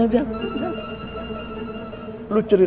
saya yang bercerai